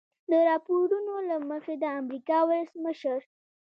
د راپورونو له مخې د امریکا ولسمشر